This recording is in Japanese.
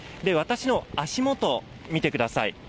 私の足元、見てください。